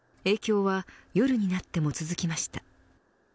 影響は夜になっても続きました。